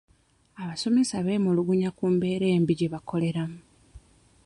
Abasomesa beemulugunya ku mbeera embi gye bakoleramu.